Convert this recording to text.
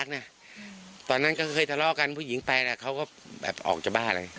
รักนะตอนนั้นก็เคยทะเลาะกันผู้หญิงไปแล้วเขาก็แบบออกจากบ้านเลย